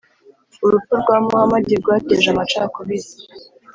urupfu rwa muhamadi rwateje amacakubiri